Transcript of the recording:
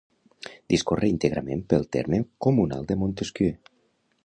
Discorre íntegrament pel terme comunal de Montesquiu.